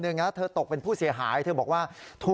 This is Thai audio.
ชื่อนิยมไม่ที่จะรู้หรือปลอดภัย